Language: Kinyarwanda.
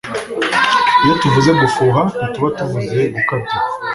Iyo tuvuze gufuha ntituba tuvuze gukabya